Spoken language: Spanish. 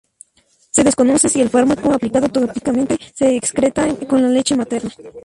Se desconoce si el fármaco aplicado tópicamente se excreta con la leche materna.